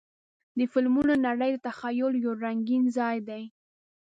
د فلمونو نړۍ د تخیل یو رنګین ځای دی.